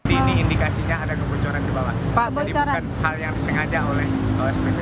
ini indikasinya ada kebocoran di bawah jadi bukan hal yang disengaja oleh kspt